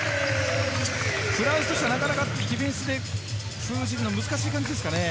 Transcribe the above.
フランスとしては、なかなかディフェンスで封じるのは難しいんですかね？